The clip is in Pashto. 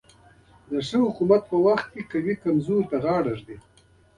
د ښه حکومت په وخت کې قوي کمزورو ته غاړه ږدي.